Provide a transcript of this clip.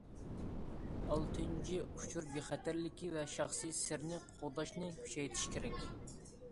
ئالتىنچى، ئۇچۇر بىخەتەرلىكى ۋە شەخسىي سىرنى قوغداشنى كۈچەيتىش كېرەك.